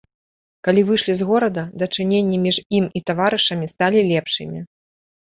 Калі выйшлі з горада, дачыненні між ім і таварышамі сталі лепшымі.